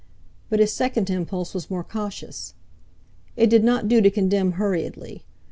But his second impulse was more cautious. It did not do to condemn hurriedly.